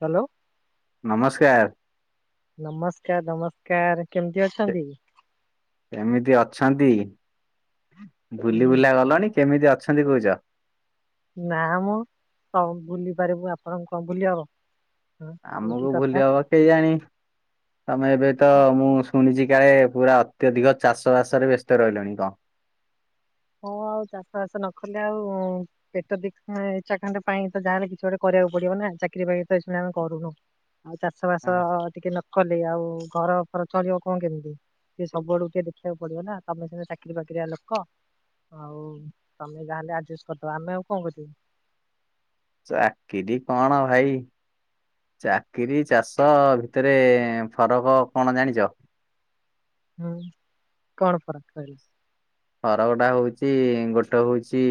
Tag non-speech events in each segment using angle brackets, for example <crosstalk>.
Hello ନମସ୍କାର ନମସ୍କାର ନମସ୍କାର କେମିତି ଅଛନ୍ତି? କେମିତି ଅଛନ୍ତି ବୁଲି ହୁଁ ବୁଲା ଗଲଣି କେମିତି ଅଛନ୍ତି କହୁଛ ନା ମୁଁ ସବୁ ଭୁଲି ପାରିବୁ ଆପଣଙ୍କୁ କଣ ଭୁଲି ହବ ହଁ ଏଇ କି ଆମକୁ କଥା ଭୁଲି ହବ କେ ଜାଣି ତମେ ଏବେ ତ ମୁଁ ଶୁଣିଛି କାଳେ ପୁରା ଅତ୍ୟଧିକ ଚାଷ ବାସରେ ବ୍ୟସ୍ତ ରହିଲଣି କଣ ହଁ ଆଉ ଚାଷ ବାସ ନ କଲେ ଆଉ ପେଟ ଦି କ୍ ମାନେଚାକଣ୍ଡ ପାଇଁ ତ ଯାହାଲେ କିଛି ଗୋଟେ କରିବାକୁ ପଡିବ ନା ଚାକିରି ବାକିରି ତ ଏ ଇ ଶୁନା ଆମେ କରୁନୁ ଆଉ ଚାଷ ବାସ ହଁ। ଟିକେ ନକଲେ ଆଉ ଘର ଫର ଚଳିବ କଣ କେମିତି ସେ ସବୁଆଡୁ ଟିକେ ଦେଖିବାକୁ ପଡିବ ନା ତମେ ସିନା ଚାକିରି ବାକିରିଆ ଲୋକ ହଉ ତମେ ଯା ହେଲେ ଆଡଜଷ୍ଟ କରିଦବ, ଆମେ ଆଉ କଣ କରିବୁ? ଚାକିରି କଣ ଭାଇ ଚାକିରୀ ଚାଷ ଭିତରେ ଫରକ କଣ ଜାଣିଛ? ହୁଁ କଣ ଫରକ କହିଲେ। ଫରକ ଟା ହଉଚି ଗୋଟା ହଉଛି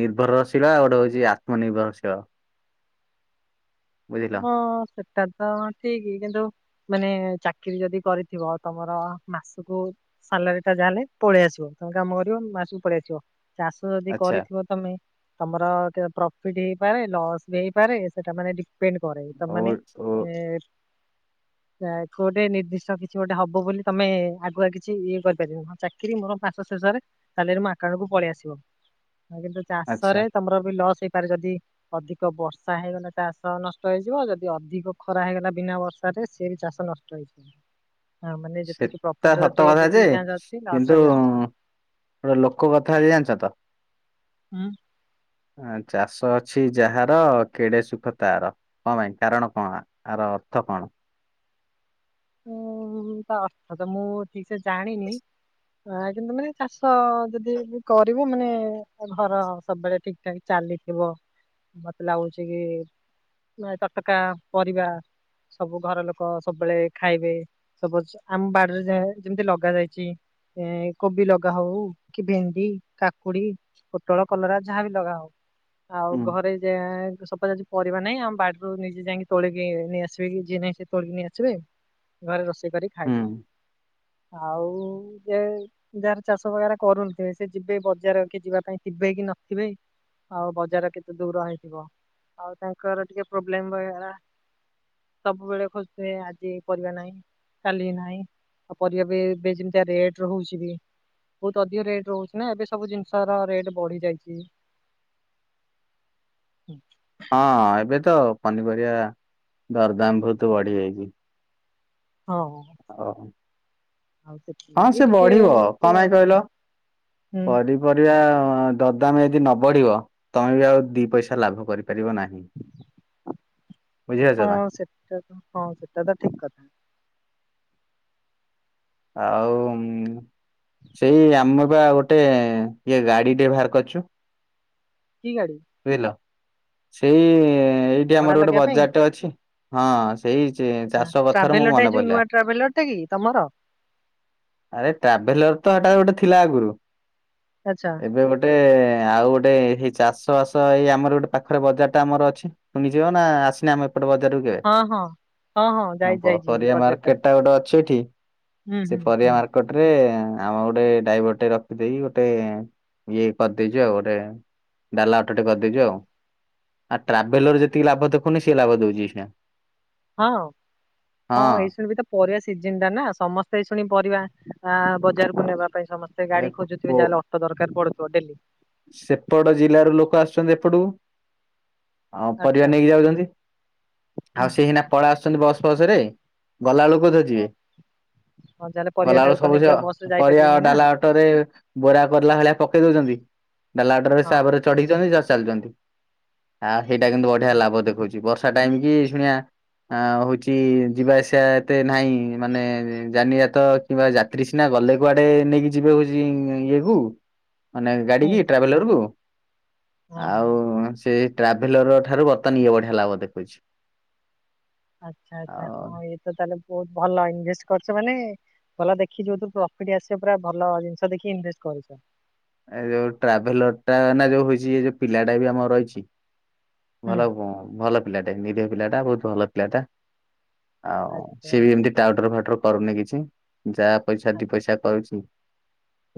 ନିର୍ଭରରଶୀଳ ଆଉ ଗୋଟେ ହଉଛି ଆତ୍ମନିର୍ଭରଶୀଳ। ବୁଝିଲ ହଁ ସେ ସେଟା ତ ଠିକ କିନ୍ତୁ ମାନେ ଚାକିରି ଯଦି କରିଥିବ ତମର ମାସକୁ ସାଲାରୀ ଟା ଯାହା ହେେଲେ ପଳେଇ ଆସିବ ତମେ କାମ କରିବ ମାସକୁ ପଳେଇ ଆସିବ, ଚାଷ ଯଦି ଆଚ୍ଛା କରିଥିବ ତମେ ତମର ପ୍ରଫିଟ ହେଇପାରେ ଲସ୍ ବି ହେଇପାରେ ସେଟା ମାନେ ଡିପେଣ୍ଡ କରେ ତମ ଓ ମାନେ ଓ ଏ ଗୋଟେ ନିର୍ଦ୍ଦିଷ୍ଟ କିଛି ଗୋଟେ ହବ ବୋଲି ତମେ ଆଗୁଆ କିଛି ଇଏ କରିପାରିବ ହଁ ଚା ଚାକିରି ମୋର ମାସ ଶେଷରେ ମୋ ଆକାଉଣ୍ଟ କୁ ପଳେଇ ଆସିବ, କିନ୍ତୁ ଚାଷ ଆଚ୍ଛା ରେ ତମର ବି ଲସ୍ ହେଇପାରେ ଯଦି ଅଧିକ ବର୍ଷା ହେଇଗଲେ ଚାଷ ସ ନଷ୍ଟ ହେଇଯିବ ଯଦି ଅଧିକ ଖରା ହେଇଗଲା ବିନା ବର୍ଷାରେ ସିଏ ବି ଚାଷ ନଷ୍ଟ ହେଇଯିବ। ହଁ ମାନେ ଯେତିକି ସେଟା ପ୍ରଫିଟର ସତ ଟିକେ କଥା ଯେ ଯେତିକି ଚାନ୍ସ ଅଛି ଲସ କିନ୍ତୁ ର ବି ଅଛି। ଗୋଟେ ଲୋକ କଥା ହେ ଜାଣିଛ ତ? ହୁଁ। ଚାଷ ଅଛି ଯାହାର କେଡେ ସୁଖ ତାର। କଣ ପାଇଁ କାରଣ କଣ ଆର ଅର୍ଥ କଣ? ଉ ତା ଅର୍ଥ ତ ମୁଁ ଠିକ ସେ ଜାଣିନି। ଆ କିନ୍ତୁ ମାନେ ଚାଷ ଯଦି କରିବୁ ମାନେ ଘର ସବୁବେଳେ ଠିକ ଚାଲିଥିବ, ମତେ ଲାଗୁଛି କି ନ ତଟକା ପରିବା ସବୁ ଘର ଲୋକ ସବୁବେଳେ ଖାଇବେ, ସପୋଜ୍ ଆମ ବାଡିରେ ଯାହା ଯେମତି ଲଗାଯାଇଛି। ଏ କୋବି ଲଗା ହଉ କି ଭେଣ୍ଡି କାକୁଡି। ପୋଟଳ କଲରା ଯାହାବି ଲଗା ହଉ। ଆଉ ହୁଁ ଘରେ ଯେ ସପୋଜ୍ ଆଜି ପରିବା ନାହିଁ, ଆମ ବାଡିରୁ ନିଜେ ଯାଇକି ତୋଳିକି ନେଇ ଆସିବେ କି ଯିଏ ନାହିଁ ସେ ତୋଳିକି ନେଇ ଆସିବେ। ଘରେ ରୋଷେଇ କରି ହୁଁ। ଖାଇବେ, ଆଉ ଯେ ଯାହାର ଚାଷ ବଗାରା କରୁନଥିବେ ସେ ଯିବେ ବଜାର କିଏ ଯିବା ପାଇଁ ଥିବେ କି ନଥିବେ। ଆଉ ବଜାର କେତେ ଦୂର ହେଇଥିବ, ଆଉ ତାଙ୍କର ଟିକେ ପ୍ରୋବ୍ଲେମ୍ ବଗେରା ସବୁବେଳେ ଖୋଜୁଥିବେ ଆଜି ପରିବା ନାହିଁ, କାଲି ନାହିଁ ଆଉ ପରିବା ବି ଏବେ ଯେମିତିଆ ରେଟ ହଉଛି ବି ବହୁତ ଅଧିକ ରେଟ୍ ରହୁଛି ନା ଏବେ ସବୁ ଜିନିଷର ରେଟ୍ ବଢି ଯାଇଛି। ହଁ ଏବେ ତ ପନିପରିବା ଦରଦାମ ବହୁତ ବଢି ଯାଇଛି। ହଉ। ଓହୋ। ହଁ ସେଥିଲାଗି ସେ ଟିକେ ବଢିବ, ଏମିତି କଣ ଆଉ ପାଇଁ କହିଲ, ହୁଁ ପରି ପରିବା ଦରଦାମ ଯଦି ନ ବଢିବ ତମେ ବି ଆଉ ଦି ପଇସା ଲାଭ କରିପାରିବ ନାହିଁ। ବୁଝିପାରୁଛ ନା ହଁ ସେଟା ତ ହଁ ସେଟା ତ ଠିକ୍ କଥା। ଆଉ ଉଁ ସେଇ ଆମର ବା ଗୋଟେ ଇଏ ଗାଡିଡେ ବାହାର କରିଛୁ। କି ଗାଡି? ବୁଝିଲ, ସେଇ ଏଇଠି ଭଡା ଆମର ଗୋଟେ ଲଗେଇବା ପାଇଁ ବଜାରଟେ ଅଛି। ହଁ ସେଇ ଚ୍-ଚାଷ କଥାରୁ ମୋର ମନେ ପଡିଲା। ଏଟା କି ତମର? ଆରେ ଟ୍ରାଭେଲର ତ ଏଟା ଗୋଟେ ଥିଲା ଆଗରୁ। ଆଚ୍ଛା। ଏବେ ଗୋଟେ ଆଉ ଗୋଟେ ଏଇ ଚାଷ ବାସ ଏଇ ଆମର ଗୋଟେ ପାଖରେ ବଜାରଟା ଆମର ଅଛି। ପୁଣି ଯିବ ନା ଆସିନ ଆମ ପଟ ବଜାରକୁ କେବେ ହଁ ହଁ ହଁ ହଁ ଯାଇ ଆ ପ ଯାଇଛି ପରିବା ବଜାର ଟା ମାର୍କେଟଟା ଗୋଟେ ଅଛି ଏଠି। ହୁଁ ସେ ହୁଁ ପରିବା ହୁଁ ମାର୍କଟ୍ ଟ୍ରେ ଆମେ ଗୋଟେ ଡାଇଭରଟେ ରଖିଦେଇି ଗୋଟେ ଇଏ କରିଦେଇଛୁ। ଆଉ ଗୋଟେ ଡଲା ଅଟୋଟେ କରିଦେଇଛୁ ଆଉ। ଆ ଟ୍ରାଭେଲର ଆ- ଯେତିକି ଲାଭ ଦେଖୁନି ସେ ଲାଭ ଦଉଛି ଏଇକ୍ଷିଣା। ହଁ ହଁ ଏଇ ସୂଣି ବି ତ ପରିବା ସିଜିନଟା ନା? ସମସ୍ତେ ଏଇ ଶୁଣି ପରିବା ଆ ବଜାରକୁ ନେବା ପାଇଁ ସମସ୍ତେ ଏ ଗାଡି ଖୋଜୁଥିବେ କୋ ଯାହାହେଲେ ଅ ଟ ଦରକାର ପଡୁଥିବ ଡେଲି। ସେପଟ ଜିଲ୍ଲାରୁ ଲୋକ ଆସୁଛନ୍ତି ଏପଟକୁ ଆଉ ଆଚ୍ଛା ପରିବା ନେଇକି ଯାଉଛନ୍ତି। ହୁଁ ଆଉ ସେ ହୁଁ। ହେଇନା ପଳେଇ ଆସୁଛନ୍ତି ବସ୍ ଫସରେ ଗଲାବେଳକୁ କୋଉଥିରେ ଅ, ଯିବେ? ହଁ ଯାହେଲେ ପରିବାଟାକୁ ତ ନେଇକି ଆଉ ବସ ରେ <unintelligible> ପରିବା ଯାଇପାରିବିନି ନା ଡାଲା ଅଟୋରେ ବୋରା କରିଲା ଭଳିଆ ପକେଇ ଦଉଛନ୍ତି। ଡାଲା ଅଟୋରେ ସା ହଁ ଉପରେ ଚଢ଼ୁଛନ୍ତି ଯା ଚାଲିଛନ୍ତି ଆ ହେଇଟା କିନ୍ତୁ ବଢିଆ ସେ- ଲାଭ ଦେଖଉଛି। ବର୍ଷ ସା ଟାଇମ କି ଶୁଣିବା ଆ ହଉଛି ଯିବା ଆସିବା ଏତେ ନାହିଁ ମାନେ ଜାନିଯାତ କିମ୍ବା ଯାତ୍ରୀ ସିନା ଗଲେ କୁଆଡେ ନେଇକି ଯିଵେ ହଉଛି ଇଏକୁ। ମାନେ ହୁଁ ଗାଡିକି ଟ୍ରାଭେଲରକୁ। ହଁ ହଁ। ଆଉ ସେ ଟ୍ରାଭେଲର ଠାରୁ ବର୍ତମାନ ଇଏ ବଢିଆ ଲାଭ ଦେଖଉଛି। ଆଚ୍ଛା ଆଚ୍ଛା ଆଉ ହଁ ଇଏ ତ ତାହେଲେ ବହୁତ ଭଲ ଇନଭେଷ୍ଟ କରିଛ ମାନେ ଭଲ ଦେଖି ଯୋଉଥିରୁ ପ୍ରଫିଟ୍ ଆସିବ ପୁରା ଭଲ ଜିନିଷ ଦେଖି ଇନଭେଷ୍ଟ କରିଛ। ଏ ଯୋଉ ଟ୍ରାଭେଲରଟା ନା ଯୋଉ ହଉଛି ଯୋଉ ପିଲାଟା ବି ଆମର ରହିଛି ହୁଁ ଭଲ ଭଲ ପିଲାଟା ନିରହ ପିଲାଟା ବହୁତ ଭଲ ପିଲାଟା। ଆଉ ଆଚ୍ଛା ସିଏ ବି ଏମିତି ଟାଉଟର ଫାଉଟର କରୁନି କିଛି। ଯାହା ପଇସା ଆଚ୍ଛା ଦି ପଇସା କରୁଛି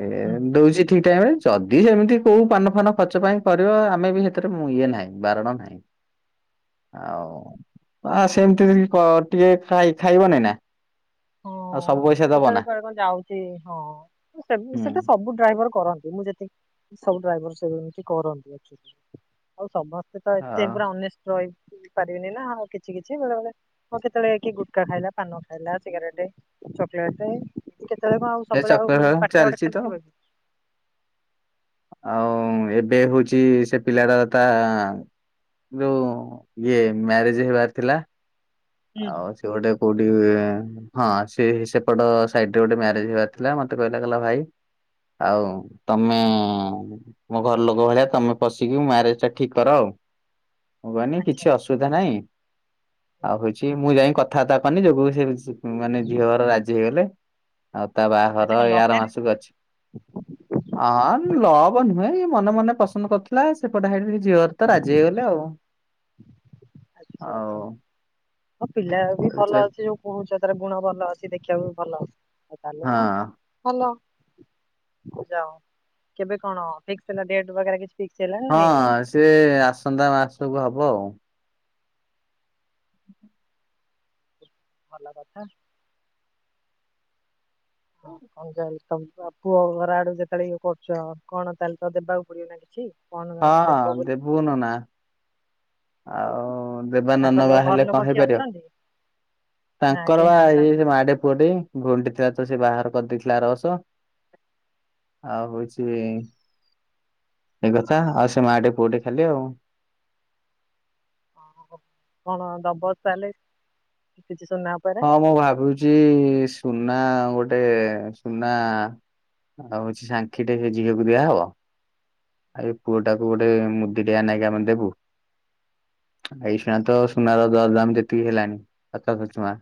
ଏ ହୁଁ। ଦଉଛି। ଠିକ୍ ଟାଇମ୍ରେ ଯଦି ସେମିତି କେଉଁ ପାନ ଫାନ ଖର୍ଚ୍ଚ କଜାପାଇଁ କରିବ ଆମେ ବି ସେଥିରେ ଇଏ ନାହିଁ ବାରଣ ନାହିଁ। ଆଉ ଆ ସେମତି ଟିକେ ଖାଇ ଖାଇବନି ନା? ଆଉ ହଁ ସବୁ ପଇସା ଦବ କେତେବେଳେ ନା ବଳେ କଣ ଯାଉଛି ହଁ ହୁଁ। ସେଟା ସବୁ ଡ୍ରାଇଭର କରନ୍ତି। ମୁଁ ଯେ ସବୁ ଡ୍ରାଇଭର ସବୁ ଏମିତି କରନ୍ତି। ଆଉ ସମସ୍ତେ ତ ଏତେ ହଉ ପୁରା ଅନ ରହି ପାରିବିନି ନା ଆଉ କିଛି କିଛି ବେଳେବେେଳେ ହଉ କେତେବେଳେକି ଗୁଟକା ଖାଇଲା ପାନ ଖାଇଲା ସିଗରେଟ ଚକଲେଟ କେତେବେଳେ କଣ ଆଉ ସେ ସବୁବେଳେ ଆଉ ଚକ୍ର ପାଟିତା ବାଟ ଚାଲିଛି ଖାଲି ତ ଥିବ କୀ? ଆଉ ଏବେ ହଉଛି ସେ ପିଲାଟା ତା ଯୋଉ ଇଏ ମ୍ୟାରେଜ ହେବାର ଥିଲା। ହୁଁ ହୁଁ ଆଉ ସେ ଗୋଟେ କୋଉଠି ହଁ ସେ ସେପଟ ସାଇରେ ଗୋଟେ ମ୍ୟାରେଜ ହେବାର ଥିଲା ମତେ କହିଲା କଲା ଭାଇ ଆଉ ତମେ ମୋ ଘର ଲୋକ ଭଳିଆ ତମେ ପଶିକି ମ୍ୟାରେଜ ଟା ଠିକ୍ କର ଆଉ। ହବନି ଆଚ୍ଛା କିଛି ଅସୁବିଧା ନହିଁ। ଆଉ ହଉଛି ମୁଁ ଯାଇ କଥାବାର୍ତ୍ତା କନି ଯୋଉ ସେ ମାନେ ଝିଅ ଘର ରାଜି ହେଇଗଲେ। ଆଉ ତା ଆଚ୍ଛା ବାହାଘର କଣ ଏଇ ଲଭ୍ ଆର ମ୍ୟାରେଜ ମାସକୁ ଅଛି। ହଁ ଲଭ ନୁହେଁ ମନେ ମନେ ପସନ୍ଦ କରିୁଥିଲା ସେପଟେ <unintelligible> ଝିଅରେ ତ ରାଜି ହେଇଗଲେ ଆଉ। ଆଉ ହଉ ପିଲା ବି ଭଲ ଆଚ୍ଛା, ଅଛି ଯୋଉ କହୁଛ ତାର ଗୁଣ ଭଲ ଅଛି ଦେଖିବାକୁ ବି ଭଲ ଅଛି। ଆଉ ତାଲିିବ ହଁ ହାଲୋ <unintelligible> କେବେ କଣ ଫିକ୍ସି ହେଲ <unintelligible> ହଁ ସିଏ ଆସନ୍ତା ମାସକୁ ହବ ଆଉ। ଭଲ କଥ। କଣ କହିଲ ତମ ପୁଅ ଘର ଆଡୁ ଯେତେବେଳେ ଇଏ କରୁଛ କଣ ତାହେଲେ ତ ଦେବାକୁ ପଡିବ ନାଇ କି? କ <unintelligible> ହଁ ଦେବୁ ନନା। ଆଉ। ଦେବାନନ ବା ତାଙ୍କର ହେଲେ ଘର ଲୋକ କଣ କିଏ ହେଇପାରିବ ଅଛନ୍ତି ନା ତାଙ୍କର କେହି ବା ନାହାନ୍ତି ଏଇ ମାଢ଼େ ପୁଅଟେ। ଘୁଣ୍ଡି ଥିଲା ତ ସେ ବାହାହର କରିଦେଇଥିଲେ ଆର ବର୍ଷ। ଆଉ ହଉଛି। ଏଇ କଥା ଆଉ ସେ ମାଆ ଟେ ପୁଅ ଟେ ଖାଲି ଆଉ। ହ କଣ ଦବ ତାହେଲେ କିଛି ସୁନା ଉପରେ ହଁ ମୁଁ ଭାବୁଛି ସୁନା ଗୋଟେ ସୁନା। ଆଉ ହଉଛି ସାଙ୍ଖି ଟେ ସେ ଝିଅକୁ ଦିଆହବ। ଆଉ ଏ ପୁଅ ଟାକୁ ଗୋଟେ ମୁଦି ଟେ ଆ ନାଇଁ କି ଆମେ ଦେବୁ। ଏଇ ସୁୁଣା ତ ସୁନାର ଦର ଦାମ ଯେତିକି ହେଲଣି ହାତ ଚୁଚୁମା।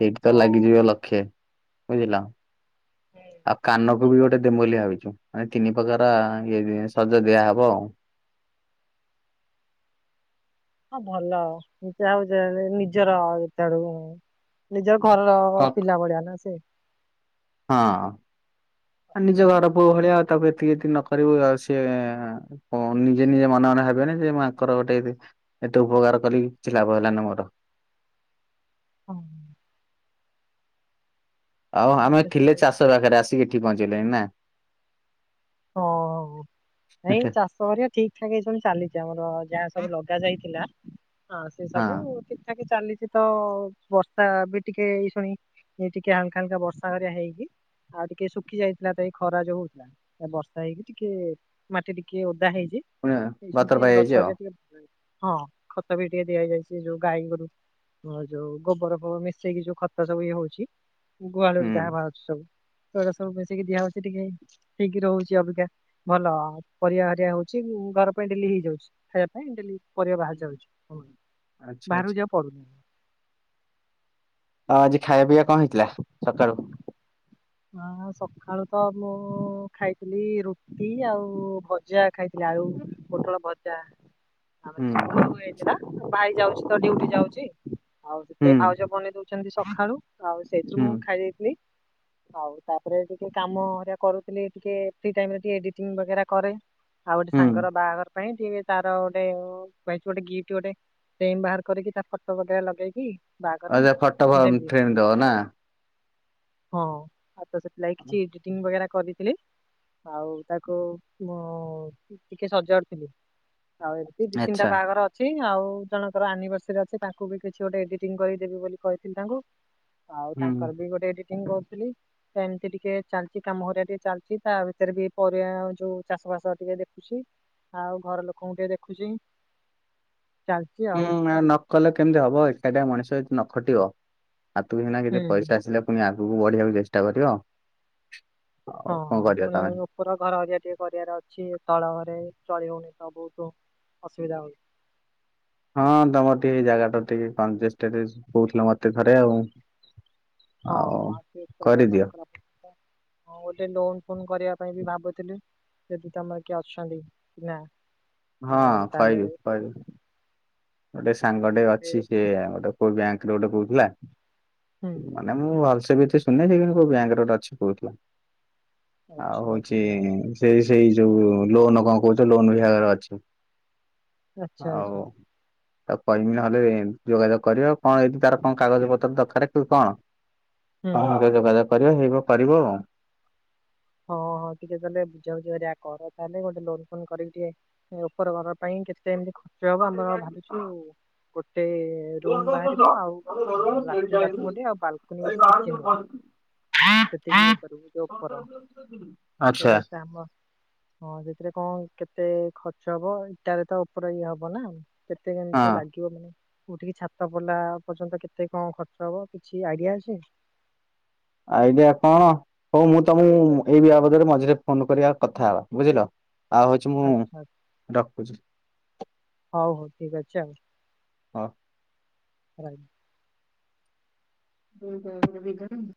ସେଇଠି ତ ଓ ଲାଗିଯିବ ଲକ୍ଷେ ବୁଝିଲ। ଆଉ କାନକୁ ବି ଗୋଟେ ଦେମୁ ବୋଲି ଭାବିଛୁ। ମାନେ ତିନି ପ୍ରକାର ଇଏ ସଜ ଦିଆହବ ଆଉ। ହଁ ଭଲ ଆଉ ଯାଉ ଯାହେଲେ ନିଜର <unintelligible> ନିଜ ଘରର କକ୍ ପିଲା ଭଳିଆ ନା ସେ। ହଁ ନିଜ ଘର ପୁଅ ଭଳିଆ ଆଉ ତାକୁ ଏତିକି ଏତି ନ କରିବୁ ଆଉ ସିଏ। ହଁ ନିଜେ ନିଜେ ମନେ ମନେ ଭବିବେନି ଯେ ମୁଁ ୟାଙ୍କର ଗୋଟେବି ଏତେ ଉପକାର କଲି କିଛି ଲାଭ ହେଲାନି ମୋର। ହଁ। ଆଉ ଆମେ ଠିକ ଅଛି ଥିଲେ ଚାଷ ପାଖରେ ଆସି ଏଠିକି ପହଞ୍ଚି ଗଲେଣି ନା। ହଁ ଆଉ ଏଇ ଚା ପରିବା ଠିକ ଠାକ ଏ ସବୁ ଚାଲିଛି ଆମର ଯାହା ସବୁ ଲଗା ଯାଇଥିଲା ସେ ସବୁ ହଁ ଠି ଏ କି ଚାଲିଚି ତ ବର୍ଷା ବି ଟିକେ ଏଇ ଶୁଣି। ଏ ଟିକେ ହାଲକା ହାଲକା ବର୍ଷା ହରିଆ ହେଇକି ଆଉ ଟିକେ ଶୁଖି ଯାଇଥିଲା ଏବେ ଏ ଖରା ଯୋଉ ହଉଥିଲା। ବର୍ଷା ହେଇକି ଟିକେ ମାଟି ଟିକେ ଓଦା ହେଇଚି। ପୁଣିଆ ବାତର ପାଇଯାଇଚି ଆଉ। ହଁ ଖତ ବି ଟିକେ ଦିଆ ହେଇଯାଇଚି ଯୋଉ ଗାଈ ଗୋରୁ। ହଁ ଯୋଉ ଗୋବର ଫୋବର ମିଶେଇକି ଯୋଉ ଖତ ସବୁ ଇଏ ହଉଚି। ଗୁହାଳୁରୁ ଯାହା ହୁଁ। ବାହାରୁଛି ସବୁ ସେଗୁଡା ସବୁ ମିଶିକି ଦିଆ ହଉଚି ଟିକେ ହେଇକି ରହୁଚି ଅବିକା। ଭଲ ଆଉ ପରିବା ହରିଆ ହଉଚି ଘର ପାଇଁ ଡେଲି ହେଇଯାଉଚି ଖାଇବା ପାଇଁ ଡେଲି। ପରିବା ବାହାରି ଯାଉଚି ଓ ଆଚ୍ଛା ଆଚ୍ଛା ବାହାରକୁ ଯିବାକୁ ପଡୁନି। ଅ ଆଜି ଖାଇବା ପିଇବା କଣ ହେଇଥିଲା ସକାଳୁ? ହଁ ସଖାଳୁ ତ ମୁଁ ଖାଇଥିଲି ରୁଟି ଆଉ ଭଜା ଖାଇ ଲାଉ ପୋଟଳ ଭଜା ଆମର ହୁଁ ସବୁ ହୁଏ। ଏଲା ଭାଇ ଯାଉଚି ତ ଡିଉଟି ଯାଉଚି। ଆଉ ହୁଁ ସେଥିଲାଗି ଭାଉଜ ବନେଇ ଦଉଛନ୍ତି ସଖାଳୁ ଆଉ ସେଇଥିରୁ ହୁଁ ମୁଁ ଖାଇ ଦେଇଥିଲି। ଆଉ ତାପରେ ଟିକେ କାମ ହରିଆ କରୁଥିଲି ଟିକେ ଫ୍ରି ଟାଇମରେ ଟିକେ ଏଡିଟିଂ ବଗେରା କରେ। ଆଉ ଗୋଟେ ହୁଁ। ସାଙ୍ଗର ବାଆଘର ପାଇଁ ଟି ଟିକେ ତାର ଗୋଟେ କହିଚି ଗୋଟେ ଗିଫ୍ଟ ଗୋଟେ। ଫେମ୍ ବାହାର କରିକି ତାର ଫଟୋ ବଗେରା ଲଗେଇକି। ଅ ବାହାଘରରେ ସେ ଫଟୋ ଫ ଦେବି ଫେମ୍ ଦବ ନା। ହଁ ଆଉ ତ ସେଥିଲାଗି କିଛି ଏଡିଟିଂ ବଗେରା କରିଦେଲି। ଆଉ ତାକୁ ମୁଁ ଟିକେ ସଜାଡୁ ଥିଲି ଆଉ ଦି ତିନିଟା ଆଚ୍ଛା ବାଆଗର ଅ ଚି ଆଉ ଜଣଙ୍କର ଆନିଭର୍ସରୀ ଅଛି ତାଙ୍କୁ ବି କିଛି ଗୋଟେ ଏଡିଟିଂ କରିଦେବି ବୋଲି କହିଥିଲି ତାଙ୍କୁ। ଆଉ ହୁଁ। ତାଙ୍କର ବି ଗୋଟେ ଏଡିଟିଂ କରୁଥିଲି। ଏମିତି ଟିକେ ଚାଲିଚି କାମ ହରିଆ ଟିକେ ଚାଲିଚି ତା ଭିତରେ ବି ପରିବା ଯୋଉ ଚାଷ ବାସ ଟିକେ ଦେଖ ଚି ଆଉ ଘର ଲୋକଙ୍କୁ ଟିକେ ଦେଖୁଚି। ହୁଁ ନା ନକଲେ କେମିତି ହବ ଏକାଟିଆ ମଣିଷ ଯ ନ ଖଟିବ। ହାତ କୁ ସିନା କିଛି ହୁଁ। ପଇସା ଆସିଲେ ଫୁଣି ଆଗକୁ ବଢିବାକୁ ଚେଷ୍ଟା କରିବ। ଆଉ ହଁ କଣ କରିବା ପୁଣି ତମେ <unintelligible> ଉପର ଘର ହରିଆ ଟିକେ କରିବାର ଅଛି ତଳ ଘରେ ଚଳି ହଉନି ତ ବହୁତୁ ଅସୁବିଧା ହଉଚି। ହଁ ତମର ଟିକେ ଜାଗା ଟା ଟିକେ କଞ୍ଜଷ୍ଟେଡ କଉଥିଲ ମତେ ଥରେ ଆଉ। ହଁ ଆଉ ସେ ଉପର ଘର ନ କରିଦିଅ। କଲା ହଁ ଗୋଟେ ଲୋନ ଫୋନ୍ କରିଆ ପାଇଁ ବି ଭାବୁଥିଲି। ସେଠି ତମର କିଏ ଅଛନ୍ତି ନା? ହଁ ଆଉ ତାହେଲେ ଖହିବି କଇବି। ଗୋଟେ ସାଙ୍ଗ ଟେ ଏ ଅଛି ସେ ଗୋଟେ କୋଉ ବ୍ୟାଙ୍କରେ ଗୋଟେ କଉଥିଲା। ହୁଁ। ନ ମୁଁ ଭଲ ସେ ବି ତ ଶୁଣୁନି ସେ କୋଉ ବ୍ୟାଙ୍କରେ ଗୋଟେ ଅଛି କଉଥିଲା। ଆଉ ଆଚ୍ଛା ହଉଚି। ଆଚ୍ଛା ସେ ସେଇ ଯୋଉ ଲୋନ କଣ କହୁଚ ଲୋନ୍ ବିଭାଗରେ ଅଛି। ଆଚ୍ଛା ଆଉ ଆଚ୍ଛା। ତାକୁ କହିମି ନହେଲେ ଯୋଗାଯୋଗ କରିବ କଣ ଏଠି ତାର କଣ କାଗଜ ପତ୍ର ଦରକାର କି କଣ ହୁଁ। ତ ଯୋଗାଯୋଗ କରିଅ ହେଇବ କରିବ ଆଉ। ହଁ ହଁ ଟିକେ ତାହେଲେ ବୁଝା ବୁଝି ହରିଆ କର ତାହେଲେ ଗୋଟେ ଲୋନ ଫୋନ କରିକି ଟିକେ ଉପର ଘର ପାଇଁ କେତେ ଏମିତି ଖର୍ଚ୍ଚ ହବ ଆମର ଭାବିଚୁ ଗୋଟେ ଏ ରୁମ୍ ବାହାରୀବ ଆଉ ଲାଟିନ ବାଥରୁମ୍ ଗୋଟେ ଆଉ ବାଲକୁନି ଗୋଟେ କିଚେନ ଗୋଟେ। ସେତିକି ଇଏ କରିବୁ ଯ ଉପର। <unintelligible> ସେ ସାମ ହଁ ସେଥିରେ କଣ କେତେ ଖର୍ଚ୍ଚ ହବ ଇଟାରେ ତ ଉପରେ ଇଏ ହବ ନା। କେତେ କେମିତି ହଁ ଲାଗିବ ମାନେ ଉଠିକି ଛାତ ପଡିଲା ପର୍ଯ୍ୟନ୍ତ କେତେ କଣ ଖର୍ଚ୍ଚ ହବ କିଛି ଆଇଡିଆ ଅଛି। ଆଇଡିଆ କଣ? ହଉ ମୁଁ ତମକୁ ଏଇ ବିବାଦରେ ମଝିରେ ଫୋନ କରିବା କଥା ହେବା। ବୁଝିଲ? ଆଉ ହଉଚି ମୁଁ ଆଚ୍ଛା ରଖୁଚି। ହଉ ହଉ ଠିକ ଅଛି ଆଉ। ହଉ। ଆ <unintelligible>